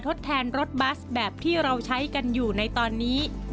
ทดแทนรถบัสแบบที่เราใช้กันอยู่ในตอนนี้